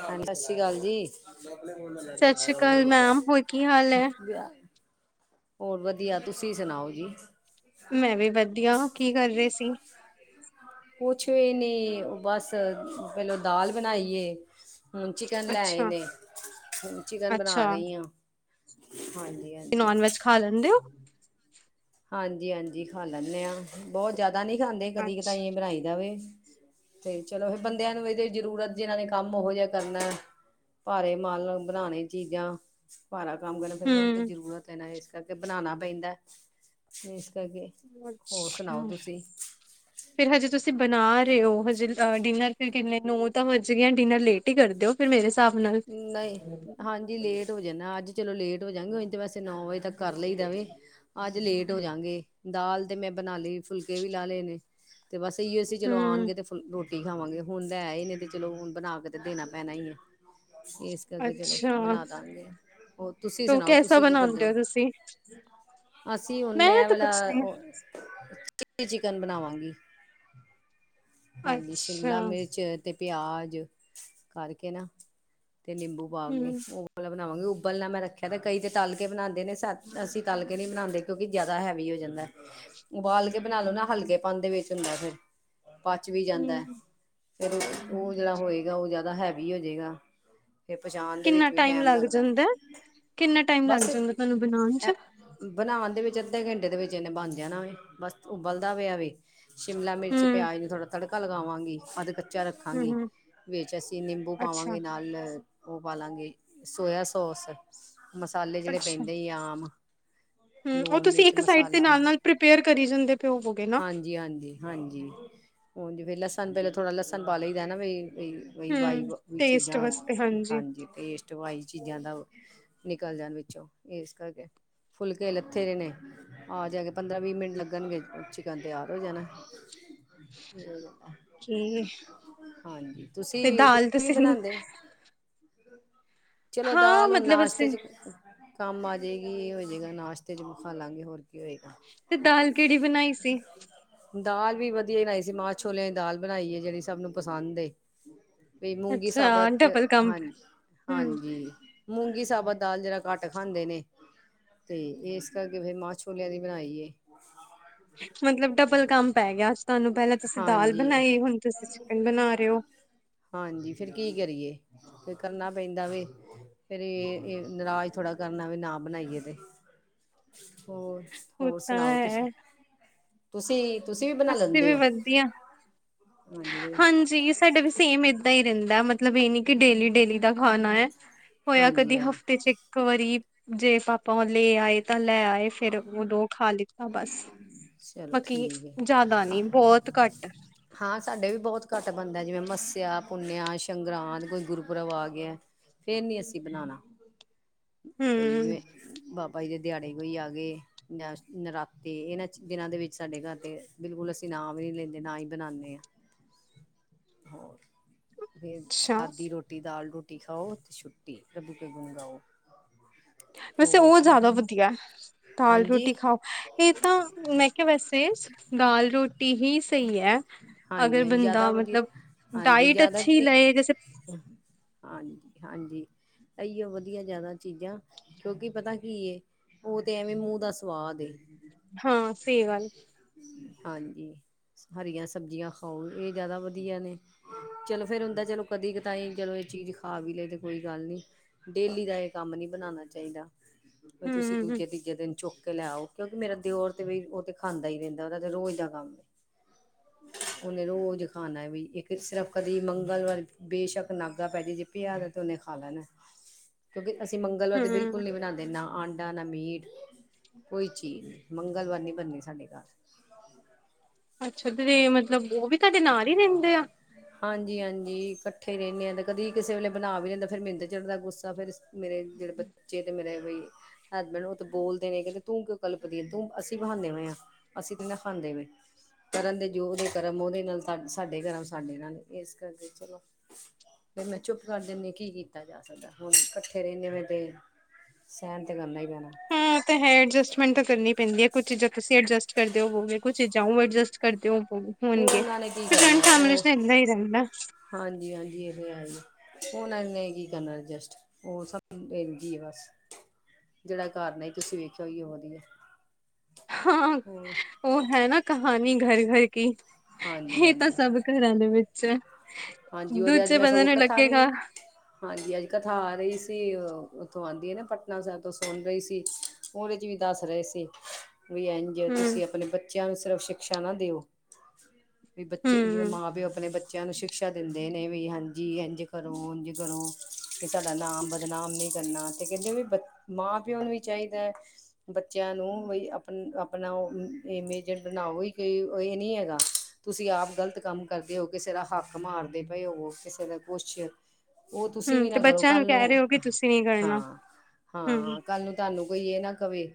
ਹ ਸਤਿ ਸ਼੍ਰੀ ਅਕਾਲ ਜੀ। ਸਤਿ ਸ੍ਰੀ ਅਕਾਲ ਮੈਮ, ਹੋਰ ਕੀ ਹਾਲ ਹੈ? ਹੋਰ ਵਧੀਆ ਤੁਸੀਂ ਸੁਣਾਓ ਜੀ। ਮੈਂ ਵੀ ਵਧੀਆ ਕੀ ਕਰ ਰਹੇ ਸੀ। ਕੁਛ ਵੀ ਨੀ, ਬਸ ਪਹਿਲੋ ਦਾਲ ਬਣਾਈਏ। ਹੁਣ ਚਿਕਨ ਲੈਏ ਅੱਛਾ, ਨੇ। ਹੁਣ ਚਿਕਨ ਬਣਾ ਅੱਛਾ ਰਹੀ ਹਾਂ। ਹਾਂਜੀ, ਹਾਂ। ਨੋਨ- ਵੈੱਜ ਖਾ ਲੈਂਦੇ ਹੋ? ਹਾਂਜੀ, ਹਾਂਜੀ ਖਾ ਲੈਂਦੇ ਹਾਂ। ਬਹੁਤ ਜ਼ਿਆਦਾ ਨਹੀਂ ਖਾਂਦੇ, ਕਦੀ- ਅੱਛ ਕਿਤਾਈ ਬਣਾਈ ਦਾ ਵੇ। ਤੇ ਚਲੋ ਫਿਰ, ਬੰਦਿਆਂ ਨੂੰ ਇਹਦੇ ਜ਼ਰੂਰਤ ਜਿਨਾਂ ਨੇ ਕੰਮ ਉਹੋ ਜਿਹਾ ਕਰਨਾ। ਭਾਰੇ ਮਾਲ ਬਣਾਣੇ, ਚੀਜ਼ਾਂ। ਭਾਰਾ ਕੰਮ ਕਰ ਫੇਿਰ‌, ਉਹ ਨੂੰ ਤੇ ਹੂੰ। ਜ਼ਰੂਰਤ ਹੈ ਨਾ। ਇਸ ਕਰਕੇ ਬਣਾਉਣਾ ਪੈਂਦਾ। ਇਸ ਕਰਕੇ, ਹੋਰ ਸੁਣਾਓ ਅੱਛਾ, ਤੁਸੀਂ? ਫਿਰ ਹਜੇ ਤੁਸੀਂ, ਬਣਾ ਰਹੇ ਹੋ, ਹਜੇ ਅ ਡਿਨਰ ਫਿਰ ਕਿੰਨੇ, ਨੇ ਤ ਵਜ ਗਏ ਆ। ਡਿਨਰ ਲੇਟ ਠੀਕ ਕਰਦੇਓ ਫਿਰ, ਮੇਰੇ ਹਿਸਾਬ ਨਾਲ। ਨਹੀਂ ਹਾਂਜੀ ਲੇਟ ਹੋ ਜਾਂਦਾ, ਅੱਜ ਚਲੋ ਲੇਟ ਹੋ ਜਾਂਗੇ, ਉਜ ਤੇ ਵੈਸੇ ਨੌ ਵਜੇ ਤੱਕ ਕਰ ਲਈ ਦਾ ਵੇ, ਅੱਜ ਲੇਟ ਹੋ ਜਾਂਗੇ। ਦਾਲ ਤੇ ਮੈਂ ਬਣਾ ਲਈ, ਫੁਲਕੇ ਵੀ ਲਾ ਲਏ ਨੇ। ਤੇ ਬਸ ਏਹਿਯੋ ਹੀ ਸੀ। ਚਲੋ, ਹੂੰ, ਆਉਣਗੇ ਤੇ। ਰੋਟੀ ਖਾਵਾਂਗੇ, ਹੁਣ ਲੈ ਆਏ ਨੇ, ਤੇ ਚਲੋ, ਹੁਣ ਬਣਾ ਕੇ ਤੇ ਦੇਣਾ ਪੈਣਾ ਹੀ ਹੈ। ਏਸ ਕਰਕੇ ਚਲੋ, ਅੱਛਾ ਬਣਾ ਦਾਂਗੇ। ਹੋਰ ਤੁਸੀਂ ਤੋ ਸੁਣਾਓ? ਕੈਸਾ ਤੁਸੀਂ ਕੀ ਕਰਦੇ ਬਣਾਉਂਦੇ ਹੋ? ਤੁਸੀਂ? ਅਸੀਂ, ਹੁਣ ਮੈਂ ਏ ਤਾਂ ਵਾਲਾ ਕੁਛ ਨਹੀਂ ਉਹ ਚਿਕਨ ਬਣਾਵਾਂਗੀ, ਹਾਂਜੀ ਅੱਛਾ, ਸ਼ਿਮਲਾ ਮਿਰਚ ਤੇ ਪਿਆਜ ਕਰਕੇ ਨਾ, ਤੇ ਨਿੰਬੂ ਪਾ ਕੇ, ਹੂੰ, ਉਹ ਬਣਾਵਾਂਗੇ ਉਬਲ ਨਾ ਮੈਂ ਰੱਖਿਆ, ਤੇ ਕਈ ਤੇ ਤਲ ਕੇ ਬਣਾਉਂਦੇ ਨੇ, ਅਸੀਂ ਤਲ ਕੇ ਨਹੀਂ ਬਣਾਉਂਦੇ। ਕਿਉਂਕਿ, ਜਿਆਦਾ ਹੈਵੀ ਹੋ ਜਾਂਦਾ। ਉਬਾਲ ਕੇ ਬਣਾ ਲੋ ਨਾ, ਹਲਕੇਪਨ ਦੇ ਵਿੱਚ ਹੁੰਦਾ ਫਿਰ। ਪਚ ਵੀ ਜਾਂਦਾ। ਹੂੰ। ਫੇਰ, ਉਹ ਜਿਹੜਾ ਹੋਏਗਾ, ਉਹ ਜ਼ਿਆਦਾ ਹੈਵੀ ਹੋਜੇਗਾ। ਫਿਰ ਪਚਾਉਣ ਦੇ ਕਿੰਨਾ ਵਿੱਚ ਵੀ ਟਾਈਮ ਲੱਗ ਲੱਗਦਾ, ਜਾਂਦਾ? ਕਿੰਨਾ ਟਾਈਮ ਲੱਗ ਬਸ ਜਾਂਦਾ ਤੁਹਾਨੂੰ ਬਣਾਉਣ ਚ? ਐ। ਬਣਾਉਣ ਦੇ ਵਿੱਚ ਅੱਧੇ ਘੰਟੇ ਦੇ ਵਿੱਚ ਇਹਨੇ ਬਣ ਜਾਣਾ ਵੇ, ਬਸ ਉਬਲਦਾ ਪੇਯਾ ਵੇ। ਸ਼ਿਮਲਾ ਮਿਰਚ, ਹੂੰ, ਪਿਆਜ ਨੂੰ ਥੋੜਾ ਤੜਕਾ ਲਗਾਵਾਂਗੀ, ਔ ਦੇ ਤੇ ਮਿਰਚਾਂ ਹੂੰ, ਰੱਖਾਂਗੀ, ਹੂੰ ਵਿੱਚ ਅਸੀਂ ਨਿੰਬੂ ਅੱਛਾ, ਪਾਵਾਂਗੇ। ਦੱਲ ਉਹ ਪਾ ਲਾਂਗੇ, ਸੋਇਆ ਸੋਸ। ਮਸਾਲੇ ਜਿਹੜੇ ਅੱਛਾ। ਪੈਂਦੇ ਈ ਐ, ਆਮ। ਹੂੰ, ਉਹ ਲੂਣ, ਤੁਸੀਂ ਮਿਰਚ, ਇੱਕ ਸਾਈਡ ਤੇ ਮਸਾਲਾ ਹਾਂਜੀ, ਨਾਲ-ਨਾਲ ਪ੍ਰੀਪੇਅਰ ਕਰੀ ਜਾਂਦੇ ਪਏ ਹੋਵੋਗੇ ਨਾ। ਹਾਂਜੀ। ਹਾਂਜੀ, ਹੁਣ ਜ ਫਿਰ, ਲਸਣ ਪਹਿਲਾਂ ਥੋੜਾ ਲਸਣ ਪਾ ਲਈਦਾ ਨਾ, ਵੀਈ ਵਾਈ ਹੂੰ, ਟੇਸਟ ਚੀਜ਼ਾਂ ਵਾਸਤੇ ਹਾਂਜੀ, ਟੇਸਟ ਵਾਇਜ਼ ਚੀਜ਼ਾਂ ਦਾ। ਨਿਕਲ ਜਾਣ ਵਿੱਚੋਂ, ਇਸ ਕਰਕੇ ਫੁਲਕੇ ਲੱਥੇ ਏ ਨੇ। ਆ ਜਾਏਗਾ, ਪੰਦਰਾਂ- ਵੀਹ ਮਿੰਟ ਲੱਗਣਗੇ, ਚਿਕਨ ਤਿਆਰ ਹੋ ਜਾਣਾ। ਓਕੇ ਹਾਂਜੀ। ਤੁਸੀਂ ਤੇ - ਦਾਲ ਤੁਸੀਂ ਵੀ ਬਣਾਉਦੇ। ਚਲੋ, ਹਾਂ ਦਾਲ ਹੁਣ ਮਤਲਬ ਨਾਸ਼ਤੇ ਅਸੀਂ ਚ ਕੰਮ ਆ ਜਾਏਗੀ, ਇਹ ਹੋਜਏਗਾ, ਨਾਸ਼ਤੇ ਚ ਵੀ ਖਾ ਲਾਂਗੇ ਹੋਰ। ਕੀ ਹੋਏਗਾ ਤੇ ਦਾਲ ਕਿਹੜੀ ਬਣਾਈ ਸੀ? ਦਾਲ ਵੀ ਵਧੀਆ ਬਣਾਈ ਸੀ। ਮਾਂ- ਛੋਲਿਆਂ ਦੀ ਦਾਲ ਬਣਾਈ ਹੈ, ਜਿਹੜੀ ਸਭ ਨੂੰ ਪਸੰਦ ਏ। ਵੀ ਮੂੰਗੀ ਅੱਛਾ ਸਾਬਤ ਡਬਲ ਕੰਮ ਹਾਂਜੀ, ਹੂੰ, ਹਾਂਜੀ। ਮੂੰਗੀ ਸਾਬਤ ਦਾਲ ਜ਼ਰਾ ਘੱਟ ਖਾਂਦੇ ਨੇ। ਤੇ ਇਸ ਕਰਕੇ ਫਿਰ, ਮਾਂ ਛੋਲਿਆਂ ਦੀ ਬਣਾਈ ਏ। ਮਤਲਬ ਡਬਲ ਕੰਮ ਪੈ ਗਿਆ ਅੱਜ ਤੁਹਾਨੂੰ, ਪਹਿਲਾਂ ਤੁਸੀਂ ਦਾਲ ਹਾਂਜੀ ਬਣਾਈ, ਹੁਣ ਤੁਸੀਂ ਚਿਕਨ ਬਣਾ ਰਹੇ ਹੋ। ਹਾਂਜੀ। ਫਿਰ ਕੀ ਕਰੀਏ? ਫਿਰ ਕਰਨਾ ਪੈਂਦਾ ਵੇ। ਫੇਰ, ਇਹ ਨਰਾਜ ਥੋੜਾ ਕਰਨਾ, ਵੀ ਨਾ ਬਣਾਈਏ ਤੇ। ਹੋਰ ਉਹ -ਹੋਰ ਤਾਂ ਸੁਣਾਓ ਤੁਸੀਂ? ਹੈ, ਤੁਸੀਂ- ਤੁਸੀਂ ਵੀ ਬਣਾ ਅੱਸੀ ਲੈਂਦੇ ਵੀ ਹੋ। ਵਧੀਆ ਹਾਂਜੀ ਤੇ ਹਾਂਜੀ। ਸਾਡਾ ਵੀ ਸੇਮ ਏਦਾਂ ਹੀ ਰਹਿੰਦਾ। ਮਤਲਬ ਮਤਲਬ ਇਹ ਨੀ ਕਿ, ਡੇਲੀ- ਡੇਲੀ ਦਾ ਖਾਣਾ ਹੈ, ਹੋਇਆ ਹਾਂਜੀ ਕਦੀ ਹਾਂਜੀ ਹਫ਼ਤੇ ਚ ਇਕ ਇੱਕ ਵਾਰੀ ਜੇ ਪਾਪਾ ਲੈ ਆਏ, ਤਾਂ ਲੈ ਆਏ, ਫੇਰ ਉਦੋਂ ਖਾ ਲਿੱਤਾ ਬਸ। ਚਲੋ ਬਾਕੀ ਠੀਕ ਹੈ ਜ਼ਿਆਦਾ ਨੀ, ਬਹੁਤ ਘੱਟ। ਹਾਂ ਸਾਡੇ ਵੀ ਬਹੁਤ ਘੱਟ ਬੰਣਦਾ, ਜਿਵੇਂ ਮੱਸਿਆ ਪੁੁੰਨਿਆ ਸੰਗਰਾਂ ਕੋਈ ਗੁਰਪ੍ਰਬ ਆ ਗਯਾ ਐ ਫੇਰ ਨੀ ਅਸੀਂ ਬਣਾਉਣਾ, ਹੂੰ ਬਈ ਜਿਵੇਂ ਬਾਬਾ ਜੀ ਦੇ ਦਿਹਾੜੇ ਕੋਈ ਆ ਗਏ ਜਾਂ ਨਰਾਤੇ ਇਹਨਾਂ ਦਿਨਾਂ ਦੇ ਵਿੱਚ ਸਾਡੇ ਘਰ ਤੇ ਬਿਲਕੁਲ ਅਸੀ ਨਾ ਵੀ ਨਈ ਲੈਂਦੇ ਨਾ ਈ ਬਣਾਣੇ ਆਂ ਹੋਰ ਫਿਰ ਅੱਛਾ ਸਾਦੀ ਰੋਟੀ ਦਾਲ ਰੋਟੀ ਖਾਓ ਛੁੱਟੀ ਪ੍ਰਭੂ ਕੇ ਗੁਣ ਗਾਓ ਵੈਸੇ ਹੋਰ ਉਹ ਜਿਆਦਾ ਵਧੀਆ ਦਾਲ ਹਾਂਜੀ ਰੋਟੀ ਖਾਓ ਇਹ ਤਾਂ ਮੈਂ ਕਿਹਾ ਵੈਸੇ ਦਾਲ ਰੋਟੀ ਹੀ ਸਹੀ ਹੈ ਹਾਂਜੀ ਅਗਰ ਹਾਂਜੀ ਬੰਦਾ ਜ਼ਿਆਦਾ ਵਧੀਆ ਮਤਲਬ ਹਾਂਜੀ ਡਾਇਟ ਜ਼ਿਆਦਾ ਅੱਛੀ ਲਏ ਜੈਸੇ ਹਾਂਜੀ ਹਾਂਜੀ ਇਹੀਓ ਵਧੀਆ ਜਿਆਦਾ ਚੀਜ਼ਾਂ ਕਿਉਂਕਿ ਪਤਾ ਕੀ ਏ ਉਹ ਤੇ ਐਵੇਂ ਮੂੰਹ ਦਾ ਸਵਾਦ ਹਾਂ ਸਹੀ ਗੱਲ ਹਾਂਜੀ ਹਰੀਆਂ ਸਬਜ਼ੀਆਂ ਖਾਓ ਇਹ ਜ਼ਿਆਦਾ ਵਧੀਆ ਨੇ ਚਲੋ ਫੇਰ ਹੁੰਦਾ ਚਲੋ ਕਦੀ ਤਾਂਈ ਚਲੋ ਇਹ ਚੀਜ਼ ਖਾ ਵੀ ਲੈ ਤੇ ਕੋਈ ਗੱਲ ਨਹੀਂ ਡੇਲੀ ਦਾ ਇਹ ਕੰਮ ਨਹੀਂ ਬਣਾਉਣਾ ਚਾਹੀਦਾ ਤੁਸੀਂ ਹੂੰ ਦੂਜੇ ਤੀਜੇ ਦਿਨ ਚੁੱਕ ਕੇ ਲੈਓ ਕਿਉਂਕੀ ਮੇਰਾ ਦਿਉਰ ਤੇ ਵੀ ਉਹ ਤੇ ਖਾਂਦਾ ਹੀ ਰਹਿੰਦਾ ਉਹਦਾ ਤੇ ਰੋਜ਼ ਦਾ ਕੰਮ ਉਹਨੇ ਰੋਜ਼ ਖਾਣਾ ਵੀ ਇੱਕ ਸਿਰਫ ਕਦੇ ਮੰਗਲਵਾਰ ਬੇਸ਼ੱਕ ਨਾਗਾ ਪੈ ਜ ਜੇ ਪਿਆ ਰਹੇ ਤੇ ਉਹਨੇ ਖਾ ਲੈਣਾ ਕਿਉਂਕਿ ਅਸੀਂ ਮੰਗਲਵਾਰ ਤੇ ਬਿਲਕੁਲ ਹੂੰ ਨੀ ਬਣਾਉਂਦੇ ਨਾ ਅੰਡਾ ਆਡਾ ਨਾ ਮੀਟ ਕੋਈ ਚੀਜ਼ ਨਹੀਂ ਮੰਗਲਵਾਰ ਨਹੀਂ ਬਣਨੀ ਸਾਡੇ ਘਰ ਹ ਅੱਛਾ ਤੇ ਮਤਲਬ ਉਹ ਵੀ ਤੁਹਾਡੇ ਨਾਲ ਹੀ ਰਹਿੰਦੇ ਆ ਹਾਂਜੀ ਹਾਂਜੀ ਇਕੱਠੇ ਰਹਿੰਦੇ ਹਾਂ ਤੇ ਕਦੇ ਕਿਸੇ ਵੇਲੇ ਬਣਾ ਵੀ ਲੈਂਦੇ ਫਿਰ ਮਿੰਨੂ ਚੜਦਾ ਗੁੱਸਾ ਫਿਰ ਐਸੀ ਮੇਰੇ ਜਿਹੜੇ ਬੱਚੇ ਤੇ ਮੇਰੇ ਇਹ ਹੀ ਹਸਬੈਂਡ ਉਹ ਤਾਂ ਬੋਲਦੇ ਨੇ ਕਹਿੰਦੇ ਤੂੰ ਕਿਉਂ ਕਲਪਦੀ ਤੂੰ ਅਸੀਂ ਬਹਾਨੇ ਹ ਅਸੀਂ ਤਾ ਨਹੀਂ ਖਾਂਦੇ ਪੇ ਕਰਨ ਦੇ ਯੋਗ ਦੇ ਕਰਮ ਉਹਦੇ ਨਾਲ ਸਾਡੇ ਕਰਮ ਸਾਡੇ ਨਾਲ ਇਸ ਕਰਕੇ ਚਲੋ ਫਿਰ ਮੈਂ ਚੁੱਪ ਕਰ ਦਿੰਨੇ ਕੀ ਕੀਤਾ ਜਾ ਸਕਦਾ ਹੁਣ ਇਕੱਠੇ ਰਹਿੰਦੇ ਤੇ ਸਹਿਣ ਤੇ ਕਰਨਾ ਹੀ ਪੈਦਾ ਹਾਂ ਤੇ ਹੈ ਐਡਜਸਟਮੈਂਟ ਤਾਂ ਕਰਨੀ ਪੈਂਦੀ ਹੈ ਕੁਛ ਚੀਜ਼ਾਂ ਤੁਸੀਂ ਐਡਜਸਟ ਕਰਦੇ ਹੋੋਗੇ ਕੁੱਝ ਚੀਜ਼ਾਂ ਉਹ ਐਡਜਸਟ ਕਰਦੇ ਹੋ ਉਹ ਹੋਣਗੇ ਉਹਨਾਂ ਨੇ ਕੀ ਫਿਰ ਜੁਆਇੰਟ ਕਰਨਾ ਫੈਮਿਲੀ ਉਹ ਚ ਏਦਾ ਰਹਿੰਦਾ ਹਾਂਜੀ ਹਾਂਜੀ ਇਹ ਤੇ ਹੈ ਜੀ ਉਹਨਾਂ ਨੇ ਕੀ ਕਰਨਾ ਐਡਜਸਟ ਉਹ ਬਸ ਇੰਜ ਹੀ ਬਸ ਜਿਹੜਾ ਘਰ ਨੇ ਤੁਸੀਂ ਵੇਖਿਆ ਹੋਈ ਉਹ ਵਧੀਆ ਹਾਂ ਹੋਰ ਉਹ ਹੈ ਨਾ ਕਹਾਣੀ ਘਰ ਘਰ ਕੀ ਹਾਂਜੀ ਇਹ ਤਾਂ ਹਾਂਜੀ ਸਭ ਘਰਾਂ ਦੇ ਵਿੱਚ ਹਾਂਜੀ ਉਹਦੇ ਦੂਜੇ ਅੱਜ ਸਗੋਂ ਬੰਦੇ ਨੂੰ ਮੈ ਕਥਾ ਵੀ ਲੱਗੇਗਾ ਹਾਂਜੀ ਅੱਜ ਕਥਾ ਆ ਰਹੀ ਸੀ ਉੱਥੋ ਆਉਂਦੀ ਹੈ ਨਾ ਪਟਨਾ ਸਾਹਿਬ ਤੋਂ ਸੁਣ ਰਹੀ ਸੀ ਉਹਦੇ ਚ ਵੀ ਦੱਸ ਰਹੇ ਸੀ ਵੀ ਇੰਜ ਜੇ ਹਮ ਤੁਸੀਂ ਆਪਣੇ ਬੱਚਿਆਂ ਨੂੰ ਸਿਰਫ ਸ਼ਿਕਸ਼ਾ ਨਾ ਦਿਓ ਵੀ ਬੱਚੇ ਜਿਵੇਂ ਹਮ ਮਾਂ ਪਿਓ ਆਪਣੇ ਬੱਚੇ ਬੱਚਿਆ ਨੂੰ ਸਿ ਸ਼ਿਕਸ਼ਾ ਦਿੰਦੇ ਨੇ ਵੀ ਹਾਂਜੀ ਇੰਝ ਕਰੋ ਉਝ ਕਰੋ ਵੀ ਸਾਡਾ ਨਾਮ ਬਦਨਾਮ ਨੀ ਕਰਨਾ ਤੇ ਕਹਿੰਦੇ ਬ ਮਾਂ ਪਿਓ ਨੂੰ ਵੀ ਚਾਹੀਦਾ ਹੈ! ਬੱਚਿਆਂ ਨੂੰ ਵੀ ਆਪ ਆਪਣਾ ਇਮੇਜ ਬਣਾਓ ਹੀ ਕੋਈ ਇਹ ਨੀ ਹੇਗਾ ਤੁਸੀਂ ਆਪ ਗਲਤ ਕੰਮ ਕਰਦੇ ਹੋ ਕਿਸੇ ਦਾ ਹੱਕ ਮਾਰਦੇ ਪਏ ਹੋ ਕਿਸੇ ਦਾ ਕੁਛ ਉਹ ਤੁਸੀਂ ਹਮ ਵੀ ਤੇ ਨਾ ਕਰੋ ਬੱਚਿਆਂ ਕੱਲ ਨੂੰ ਕਹਿ ਰਹੇ ਹੋ ਕਿ ਤੁਸੀਂ ਨੀ ਹਾਂ ਕਰਨਾ ਹਮ ਹਾਂ ਕੱਲ ਨੂੰ ਤੁਹਾਨੂੰ ਕੋਈ ਕਹੇ ਨਾ ਕਵੇ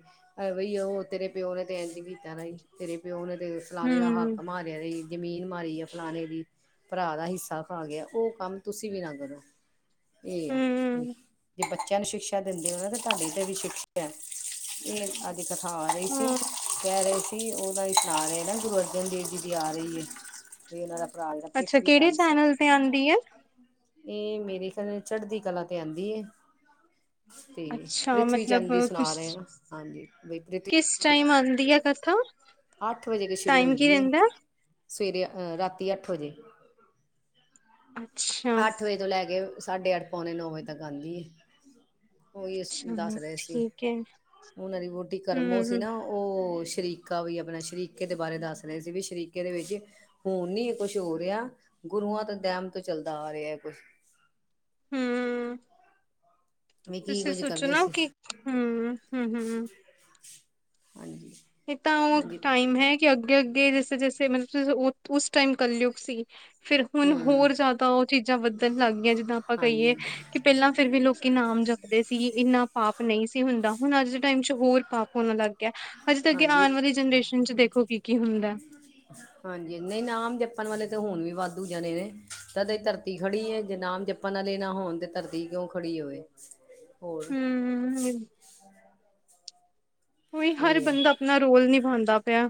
ਬਈ ਉਹ ਤੇਰੇ ਪਿਓ ਨੇ ਏਜ ਵੀ ਕੇਨਾ ਤੇਰੇ ਪਿਓ ਨੇ ਤੇ ਫਲਾਣੇ ਦਾ ਹਮ ਹੱਕ ਮਾਰਿਆ ਤੇ ਜ਼ਮੀਨ ਮਾਰੀ ਹੈ ਫਲਾਣੇ ਦੀ ਭਰਾ ਦਾ ਹਿੱਸਾ ਖਾ ਗਿਆ ਉਹ ਕੰਮ ਤੁਸੀਂ ਵੀ ਨਾ ਕਰੋ ਇਹ ਆ ਹਮ ਜੇ ਬੱਚਿਆਂ ਨੂੰ ਸ਼ਿਕਸ਼ਾ ਦਿੰਦੇ ਉਨਾਂ ਦੇ ਭਾਂਡਿਆਂ 'ਤੇ ਵੀ ਛਿੜਕਿਆ ਏ ਅੱ ਜ ਦਖਾ ਰਈ ਸੀ ਹਮ ਕੈ ਰੀ ਸੀ ਉਨਾਂ ਵਿੱਚ ਸੁਣਾ ਰੇ ਨੇ ਗੁਰੂ ਅਰਜਨ ਦੇਵ ਜੀ ਦੀ ਆ ਰਈ ਏ 'ਤੇ ਉਨਾਂ ਦਾ ਭਰਾ ਜਿਹੜਾ ਅੱਛਾ, ਪ੍ਰਿਥਵੀ ਕਿਹੜੇ ਚੈਨਲ 'ਤੇ ਆਂਦੀ ਐ? ਏ ਮੇਰੇ ਖਿਆਲ ਨਾ ਚੜਦੀ ਕਲਾ 'ਤੇ ਆਦੀਂ ਏ। 'ਤੇ ਅੱਛਾ ਪ੍ਰਿਥਵੀ ਮਤਲਬ ਚੰਦ ਦੀ ਸੁਣਾ ਰੇ ਆ ਹਾਂਜੀ ਭਾਈ ਪ੍ਰਿਥਵੀ ਚਾਈ ਮੰਨਦੀ ਐ ਕਥਾ। ਅੱਠ ਵਜੇ ਕੇ ਸ਼ੁਰੂ ਟਾਈਮ ਹੁੰਦੀ ਕੀ ਏ, ਰਹਿੰਦਾ ਸਵੇਰੇ ਅ ਰਾਤੀ ਅੱਠ ਵਜੇ। ਅੱਛਾ। ਅੱਠ ਵਜੇ ਤੋਂ ਲੈ ਕੇ ਸਾਢੇ ਅੱਠ, ਪੌਣੇ ਨੌ ਵਜੇ ਤੱਕ ਆਂਦੀ ਏ। ਉਈ ਅਸੀਂ ਦੱਸ ਚਲੋ ਰੇ ਸੀ ਠੀਕ ਹੈ ਉਨਾਂ ਦੀ ਵੋਟੀ ਕਰਮੋ ਸੀ ਹਮ ਨਾ ਓ ਸ਼ਰੀਕਾ ਵੀ ਆਪਣਾ ਸ਼ਰੀਕੇ ਦੇ ਬਾਰੇ ਦੱਸ ਰਹੇ ਸੀ ਵੀ ਸ਼ਰੀਕੇ ਦੇ ਵਿੱਚ ਹੁਣ ਨੀ ਕੁਛ ਹੋ ਰੇਆ ਗੁਰੂਆਂ ਤੇ ਦੈਮ ਤੋਂ ਚੱਲਦਾ ਆ ਰੇ ਐ ਕੁਛ। ਹਮ ਵੀ ਕੀ ਕੁੱਝ ਕਰਦੇ ਸੀ। ਹੂੰ, ਹੂੰ-ਹੂੰ। ਹਾਂਜੀ। ਏ ਤਾਂ ਓ ਹਾਂਜੀ ਟਾਈਮ ਹੈ ਕਿ ਅੱਗੇ-ਅੱਗੇ ਜੈਸੇ-ਜੈਸੇ ਮਤਲ ਉਸ ਟਾਈਮ ਕਲਯੁਗ ਸੀ। ਫਿਰ ਹੁਣ ਹਮ ਹੋਰ ਜਿਆਦਾ ਓ ਚੀਜ਼ਾਂ ਵਧਣ ਲੱਗ ਗੀਆ ਜਿੱਦਾਂ ਆਪਾਂ ਕਈਏ ਹਾਂਜੀ ਹਾਂਜੀ ਕਿ ਪਹਿਲਾਂ ਫਿਰ ਵੀ ਲੋਕ ਨਾਮ ਜਪਦੇ ਸੀ ਇੰਨਾ ਪਾਪ ਨਈ ਸੀ ਹੁੰਦਾ ਹੁਣ ਅੱਜ ਦੇ ਟਾਈਮ 'ਚ ਹੋਰ ਪਾਪ ਹੋਣ ਲੱਗ ਗਿਆ ਹਜੇ 'ਤੇ ਅੱਗੇ ਹਾਂਜੀ ਆਣ ਵਾਲੀ ਜਨਰੇਸ਼ਨ 'ਚ ਦੇਖੋ ਕੀ-ਕੀ ਹੁੰਦੈ। [inaudible] ਹਾਂਜੀ, ਨਈ ਨਾਮ ਜਪਣ ਵਾਲੇ ਤਾਂ ਹੁਣ ਵੀ ਵਾਧੂ ਜਾਣੇ ਨੇ ਤਦੇ ਧਰਤੀ ਖੜੀ ਏ ਜੇ ਨਾਮ ਜ ਪਣ ਆਲੇ ਨਾ ਹੋਣ 'ਤੇ ਧਰਤੀ ਕਿਉਂ ਖੜੀ ਹੋਵੇ। ਹੋਰ ਹੂੰ-ਹੂੰ ਏ। [inaudible] ਕੋਈ ਹਰ ਇਹ ਆ ਬੰਦਾ ਆਪਣਾ ਰੋਲ ਨਿਭਾਦਾ ਪੇਆ।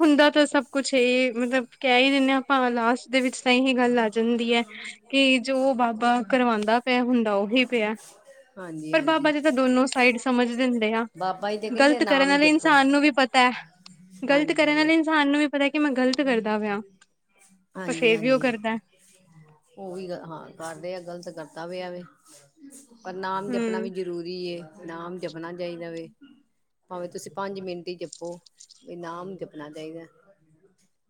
ਹੁੰਦਾ 'ਤੇ ਸਭ ਕੁਛ ਏ ਮਤਲਬ ਕੈ ਈ ਦਿੰਨੇ ਆ ਭਾਵ ਲਾਸਟ ਦੇ ਵਿੱਚ ਤਾਂ ਏਹੀ ਗੱਲ ਆ ਜਾਂਦੀ ਐ ਕਿ ਜੋ ਬਾਬਾ ਕਰਵਾਦਾ ਪਿਆ ਹੁੰਦਾ ਉਹੀ ਪੇਆ। ਹਾਂਜੀ ਪਰ ਹਾਂਜੀ ਬਾਬਾ ਜੀ ਤਾਂ ਦੋਨੋ ਸਾਈਡ ਸਮਝ ਦਿੰਦੇ ਆ। ਬਾਬਾ ਜੀ ਤੇ ਕਹਿੰਦੇ ਗ਼ਲਤ ਕਰਨ ਨਾਮ ਆਲੇ ਜਪੋ ਇਨਸਾਨ ਨੂੰ ਵੀ ਪਤੈ, ਗ਼ਲਤ ਕਰਨ ਹਾਂਜੀ ਆਲੇ ਇਨਸਾਨ ਨੂੰ ਵੀ ਪਤਾ ਕਿ ਮੈਂ ਗ਼ਲਤ ਕਰਦਾ ਪਿਆ, ਪਰ ਫੇਰ ਵੀ ਓ ਕਰਦੈ। ਉਹੀ ਗ ਹਾਂ ਕਰਦੇ ਆ ਗ਼ਲਤ ਕਰਦਾ ਪੇਆ ਵੇ। ਪਰ ਨਾਮ ਜਪਣਾ ਵੀ ਹੂੰ ਜਰੂਰੀ ਏ ਨਾਮ ਜਪਣਾ ਚਾਈਦਾ ਵੇ। ਭਾਵੇਂ ਤੁਸੀਂ ਪੰਜ ਮਿੰਟ ਈ ਜਪੋ, ਨਾਮ ਜਪਣਾ ਚਾਈਦਾ।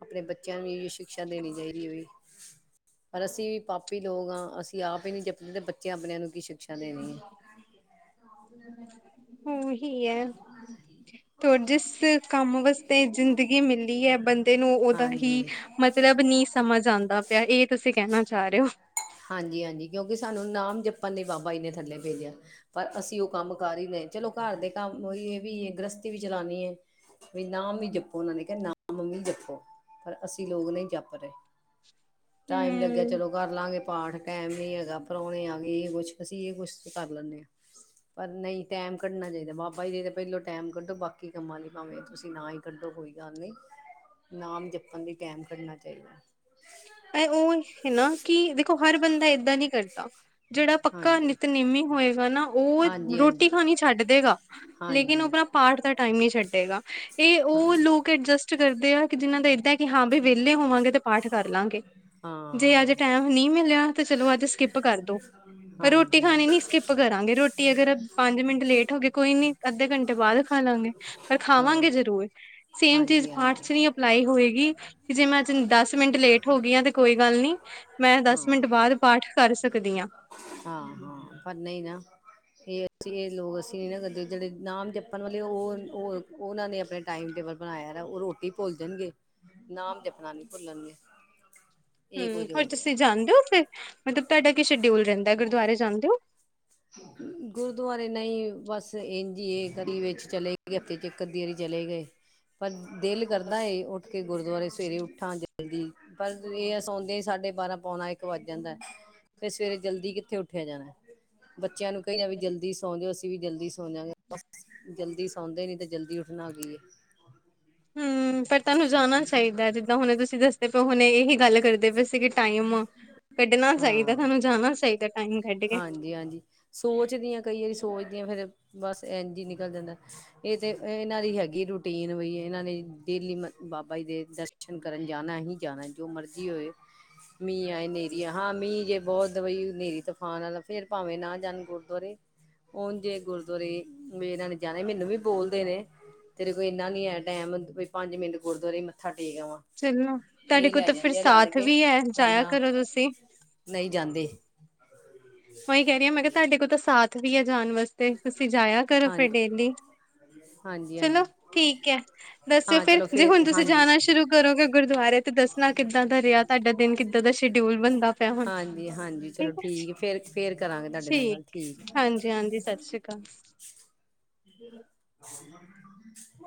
ਆਪਣੇ ਬੱਚਿਆਂ ਨੂੰ ਵੀ ਸ਼ਿਕਸ਼ਾ ਦੇਣੀ ਚਾਈਦੀ ਏ ਵੀ। ਪਰ ਅਸੀਂ ਵੀ ਪਾਪੀ ਲੋਕ ਆ ਅਸੀਂ ਆਪ ਏ ਨੀ ਜਪਦੇ ਤੇ ਬੱਚਿਆਂ ਆਪਣਿਆਂ ਨੂੰ ਕੀ ਸ਼ਿਕਸ਼ਾ ਦੇਣੀ ਏ। ਉਹੀ ਐ 'ਤੇ ਹੋਰ ਜਿਸ ਕੰਮ ਵਾਸਤੇ ਜ਼ਿੰਦ ਗੀ ਮਿਲੀ ਐ ਬੰਦੇ ਨੂੰ ਉਦਾ ਹੀ ਹਾਂਜੀ, ਮਤਲਬ ਨੀ ਸਮਝ ਆਂਦਾ ਪਿਆ ਏ ਤੁਸੀਂ ਕਹਿਣਾ ਚਾ ਰੇ ਓ। ਹਾਂਜੀ-ਹਾਂਜੀ ਕਿਉਂਕਿ ਸਾਨੂੰ ਨਾਮ ਜਪਣ ਲਈ ਬਾਬਾ ਜੀ ਨੇ ਥੱਲੇ ਭੇਜਿਆ। ਪਰ ਅਸੀਂ ਓ ਕੰਮ ਕਰ ਈ ਨਈ ਚਲੋ ਘਰ ਦੇ ਕੰਮ ਉਈ ਏ ਵੀ ਗ੍ਰਸਤੀ ਵੀ ਚਲਾਣੀ ਏ। ਵੀ ਨਾਮ ਜਪੋ ਉਨਾਂ ਨੇ ਕੇਆ ਨਾਮ ਵੀ ਜਪੋ ਪਰ ਅਸੀਂ ਲੋਕ ਨਈ ਜਪ ਰੇ, ਟਾਈਮ ਲੱਗਿਆ ਹੂੰ। ਚਲੋ ਕਰ ਲਾਂਗੇ ਪਾਠ, ਟਾਈਮ ਨੀ ਹੈਗਾ, ਪ੍ਰਾਉਣੇ ਆਗੇ ਏਈ ਕੁੱਛ ਅਸੀਂ ਏ ਕੁਛ ਕਰ ਲੈਂਨੇ ਆ। ਪਰ ਨਈ ਟਾਈਮ ਕੱਢਣਾ ਚਾਈਦਾ ਬਾਬਾ ਜੀ ਦੇ ਤਾਂ ਪਹਿਲੋਂ ਟਾਈਮ ਕੱਢੋ ਬਾਕੀ ਕੰਮਾਂ ਲਈ ਭਾਵੇਂ ਤੁਸੀਂ ਨਾ ਈ ਕੱਢੋ ਕੋਈ ਗੱਲ ਨੀ। ਨਾਮ ਜੱਪਣ ਲਈ ਟੈਮ ਕੱਢਣਾ ਚਾਈਦੈ। ਐ ਉ ਹਨ ਨਾ, ਕਿ ਦੇਖੋ ਹਰ ਬੰਦਾ ਏਦਾਂ ਨੀ ਕਰਦਾ। ਜੇੜਾ ਪੱਕਾ ਹਾਂਜੀ ਨਿੱਤਨੇਮੀ ਹੋਏਗਾ ਨਾ ਉ ਹਾਂਜੀ ਰੋਟੀ ਹਾਂਜੀ ਖਾਣੀ ਛੱਡ ਦੇਗਾ, ਲੇਕਿਨ ਉ ਹਾਂਜੀ ਆਪਨਾ ਪਾਠ ਦਾ ਟਾਈਮ ਨਈ ਛੱਡੇਗਾ। ਏ ੳ ਹਾਂਜੀ ਲੋਕ ਅਡਜਸਟ ਕਰਦੇ ਆ ਕਿ ਜਿਨਾਂ ਦਾ ਏਦਾਂ ਕਿ ਹਾਂ ਬਈ ਵੇਲੇ ਹੋਵਾਂਗੇ ਤੇ ਪਾਠ ਕਰ ਲਾਂਗੇ। ਜੇ ਅੱਜ ਹਾਂ ਟੈਮ ਨਈ ਮਿਲਿਆ, ਤੇ ਚਲੋ ਅੱਜ ਸਕਿਪ ਕਰ ਦੋ। ਪਰ ਰੋਟੀ ਹਾਂਜੀ ਖਾਨੀ ਨੀ ਸਕਿੱਪ ਕਰਾਂਗੇ, ਰੋਟੀ ਅਗਰ ਪੰਜ ਮੇਂਟ ਲੇਟ ਹੋ ਗਏ ਕੋਈ ਨੀ ਅੱਧੇ ਘੰਟੇ ਬਾਦ ਖਾ ਲਾਂਗੇ, ਪਰ ਹਾਂ ਖਾਵਾਂਗੇ ਹਾਂਜੀ ਜ਼ਰੂਰ ਸੇਮ ਚੀਜ਼ ਹਾਂਜੀ ਪਾਠ ਚ ਵੀ ਹਾਂ ਲਾਈ ਹੋਏਗੀ ਗੀ, ਜੇ ਮੈਂ ਅੱਜ ਦਸ ਮਿੰਟ ਲੇਟ ਹੋਗੀ ਆਂ ਤੇ ਕੋਈ ਗੱਲ ਨੀ, ਮੈਂ ਦਸ ਮੇੰਟ ਬਾਦ ਪਾਠ ਕਰ ਸਕਦੀ ਆਂ। ਹਾਂ-ਹਾਂ ਪਰ ਨਈ ਨਾ ਏ ਅਸੀਂ ਏ ਲੋਗ ਅਸੀਂ ਨੀ ਨਾ ਕਰਦੇ, ਜੇੜੇ ਨਾਮ ਜਪਣ ਵਾਲੇ ਉ ੳ ਉਨਾਂ ਨੇ ਆਪਣੇ ਟਾਈਮ ਟੇਬਲ ਬਨਾਇਆ ਦੈ, ੳ ਰੋਟੀ ਭੁੱਲ ਜਾਨਗੇ ਨਾਮ ਜਪਨਾ ਨੀ ਭੁੱਲਣਗੇ। ਇਹ ਹੂੰ ਕੁਝ ਹੋਰ ਹੋ ਰਿਹਾ ਤੁਸੀਂ ਜਾਨਦੇ ੳ ਫੇਰ ਮਤਲਬ ਤੁਹਾਡਾ ਕੀ ਸ਼ਡਿਊਲ ਰੈਂਦੈ ਗੁਰਦੁਆਰੇ ਜਾਨਦੇ ੳ? ਗੁਰਦੁਆਰੇ ਨਈ ਬਸ ਏੰਝ ਇ ਏ ਕਦੀ ਵੇਚ ਚਲੇ ਗਏ ਹਫਤੇ ਚ ਏਕ ਅਦੀ ਵਾਰੀ ਚਲੇ ਗਏ। ਪਰ ਦੇਲ ਕਰਦਾ ਏ ਉੱਠ ਕੇ ਗੁਰਦੁਆਰੇ ਸਵੇਰੇ ਉੱਠਾਂ ਜਲਦੀ ਪਰ ਏ ਐ ਸੋਨਦੇ ਈ ਸਾਡੇ ਬਾਰਾਂ, ਪੋਣਾ ਏਕ ਵੱਜ ਜਾਂਦੈ। ਫੇਰ ਸਵੇਰੇ ਜਲਦੀ ਕਿੱਥੇ ਉੱਠਿਆ ਜਾਣੈ। ਬੱਚਿਆਂ ਨੂੰ ਕਹਿਆ ਵੀ ਜਲਦੀ ਸੌਂਜੋ, ਅਸੀਂ ਵੀ ਜਲਦੀ ਸੌ ਜਾਂਗੇ ਜਲਦੀ ਸੌਂਦੇ ਨੀ ਤੇ ਜਲਦੀ ਉੱਠਣਾ ਕੀਏ। ਹੁੰ ਪੈ ਤੁਆਨੂੰ ਜਾਣਾ ਚਾਈਦੈ ਜਿੱਦਾਂ ਹੁਨੇ ਤੁਸੀਂ ਦੱਸਦੇ ਪਏ ਹੁਨੇ ਏਹੀ ਗੱਲ ਕਰਦੇ ਪਏ ਸੀ ਕਿ ਟਾਈਮ ਕੱਢਣਾ ਚਾਈਦਾ ਤੁਹਾਨੂੰ ਜਾਨਾ ਚਾਈਦਾ ਟਾਈਮ ਕੱਢ ਕੇ। ਹਾਂਜੀ ਹਾਂਜੀ ਸੋਚਦੀਆਂ ਕਈ ਵਾਰੀ ਸੋਚਦੀਆਂ ਫੇਰ ਬਸ ਏੰਝ ਈ ਨਿਕਲ ਜਾਂਦਾ ਏ ਤੇ ਇਨਾਂ ਦੀ ਹੈਗੀ ਰੂਟੀਨ ਵੀ ਏਨਾਂ ਨੇ ਡੇਲੀ ਬਾਬਾ ਜੀ ਦੇ ਦਰਸ਼ਨ ਕਰਨ ਜਾਨਾ ਹੀ ਜਨਾ ਏ ਜੋ ਮਰਜ਼ੀ ਹੋਏ। ਮੀਂ ਆਏ ਨੇਰੀ, ਆ ਹਾਂ ਮੀਂਹ ਜੇ ਬੋਤ ਵਈ ਹਨੇਰੀ ਤੂਫਾਨ ਆਲਾ ਫੇਰ ਭਾਵਾ ਨਾ ਜਾਨ ਗੁਰਦੁਆਰੇ। ੳਂਜ ਜੇ ਗੁਰਦੁਆਰੇ ਵੀ ਇਨਾਂ ਨੇ ਜਾਣੇ, ਮੈਨੂੰ ਵੀ ਬੋਲਦੇ ਨੇ। ਤੇਰੇ ਕੋ ਇਨਾ ਨੀ ਹੈ ਟੈਮ ਵੀ ਪੰਜ ਮਿੰਟ ਗੁਰਦੁਆਰੇ ਮੱਥਾ ਟੇਕ ਆਵਾਂ। ਚਲੋ ਤੁਹਾਡੇ ਇਹ ਕੋਲ ਲੈ ਤਾਂ ਫਿਰ ਜਾਂਦੇ ਆ ਲੜ ਸਾਥ ਕੇ ਵੀ ਹੈ ਜਾਇਆ ਕਰੋ ਤੁਸੀਂ। ਨਈ ਜਾਂਦੇ। ੳਈ ਕੈ ਰਈ ਹਾਂ ਮੈਂ ਕਿਹਾ ਤੁਹਾਡੇ ਕੋਲ ਤਾਂ ਸਾਥ ਵੀ ਆ ਜਾਨ ਵਾਸਤੇ, ਤੁਸੀਂ ਜਾਇਆ ਕਰੋ ਹਾਂ ਫੇਰ ਡੇਲੀ। ਹਾਂਜੀ-ਹਾਂਜੀ ਚਲੋ ਠੀਕ ਏ, ਦੱਸਿਓ ਹਾਂ ਫੇਰ ਚਲੋ ਜੇ ਹੁਨ ਤੁਸੀਂ ਹਾਂਜੀ ਜਾਨਾ ਸ਼ੁਰੂ ਕਰੋਗੇ ਗੁਰਦੁਆਰੇ ਤੇ ਦੱਸਨਾ ਕਿੱਦਾਂ ਦਾ ਰਿਹਾ ਤੁਹਾਡਾ ਦਿਨ ਕਿੱਦਾਂ ਦਾ ਸ਼ਡਿਊਲ ਬਨਦਾ ਪਿਆ ਹੁਣ। ਹਾਂਜੀ ਹਾਂਜੀ ਚਲੋ ਠੀਕ ਫੇਰ-ਫੇਰ ਕਰਾਂਗੇ ਤੁਹਾਡੇ ਨਾਲ ਗੱਲ ਠੀਕ ਕ [inaudible] [inaudible]